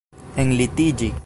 enlitiĝi